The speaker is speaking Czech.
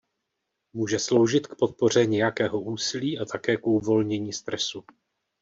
Může sloužit k podpoře nějakého úsilí a také k uvolnění stresu.